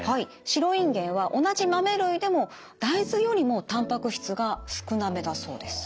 白いんげんは同じ豆類でも大豆よりもたんぱく質が少なめだそうです。